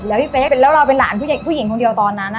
แล้วพี่เป๊กแล้วเราเป็นหลานผู้หญิงคนเดียวตอนนั้น